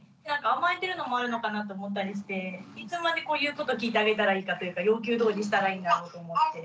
甘えてるのもあるのかなと思ったりしていつまで言うこと聞いてあげたらいいかというか要求どおりにしたらいいんだろうと思って。